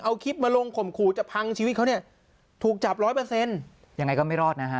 เอาคลิปมาลงข่มขู่จะพังชีวิตเขาเนี่ยถูกจับ๑๐๐ยังไงก็ไม่รอดนะครับ